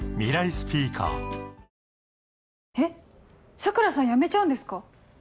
桜さん辞めちゃうんですか？